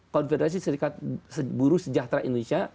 konfederasi serikat buruh sejahtera indonesia